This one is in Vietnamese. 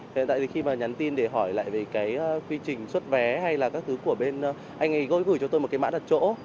hiện tại thì khi mà nhắn tin để hỏi lại về cái quy trình xuất vé hay là các thứ của bên anh ấy gối gửi cho tôi một cái mã đặt chỗ